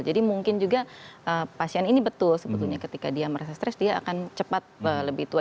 jadi mungkin juga pasien ini betul sebetulnya ketika dia merasa stres dia akan cepat lebih tua